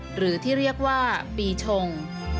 หรือที่เรียกว่าปีชง